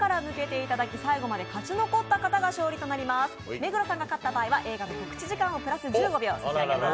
目黒さんが勝った場合は映画の告知時間をプラス１５秒差し上げます。